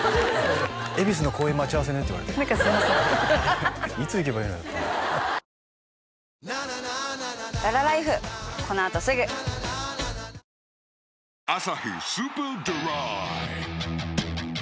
「恵比寿の公園待ち合わせね」って言われて何かすいませんいつ行けばいいのよって「アサヒスーパードライ」